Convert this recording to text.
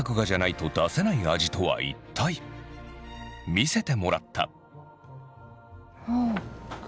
見せてもらった。